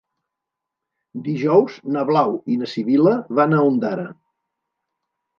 Dijous na Blau i na Sibil·la van a Ondara.